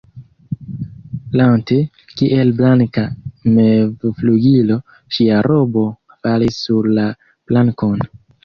Lante, kiel blanka mevflugilo, ŝia robo falis sur la plankon.